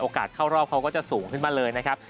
เข้ารอบเขาก็จะสูงขึ้นมาเลยนะครับ